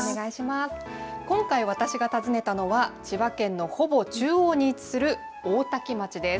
今回、私が訪ねたのは千葉県のほぼ中央に位置する大多喜町です。